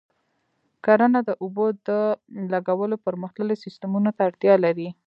کرنه د اوبو د لګولو پرمختللي سیستمونه ته اړتیا لري.